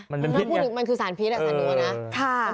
มันคือสารพิษแหละสารดัวนะ